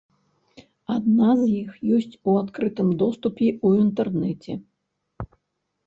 Адна з іх ёсць у адкрытым доступе ў інтэрнэце.